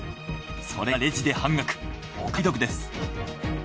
それがレジで半額お買い得です。